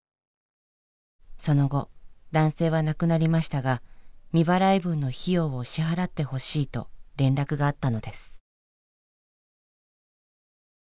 その後男性は亡くなりましたが未払い分の費用を支払ってほしいと連絡があったのです。